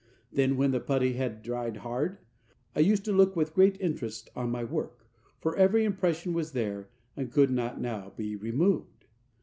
Then, when the putty had dried hard, I used to look with great interest on my work, for every impression was there, and could not now be removed.